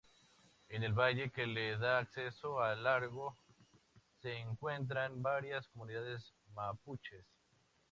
En el valle que le da acceso al lago, se encuentran varias comunidades mapuches.